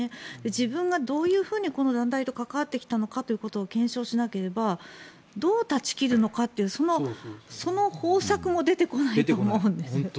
自分がどういうふうにこの団体と関わってきたのかということを検証しなければどう断ち切るのかというその方策も出てこないと思うんです。